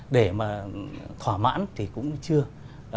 để mà thỏa mãn thì cũng chưa